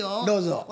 どうぞ。